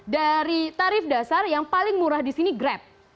dari tarif dasar yang paling murah di sini grab